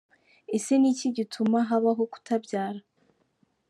Ese ni iki gituma habaho kutabyara?.